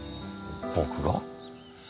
僕が？